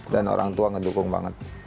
dan orang tua ngedukung banget